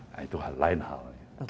nah itu lain hal